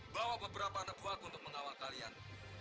bawa beberapa nebu aku untuk mengawal kalian